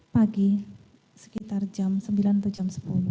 pagi sekitar jam sembilan atau jam sepuluh